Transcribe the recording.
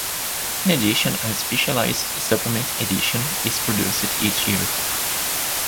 In addition, a specialised "supplement" edition is produced each year.